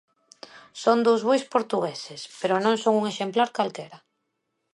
Son dous bois portugueses pero non son un exemplar calquera.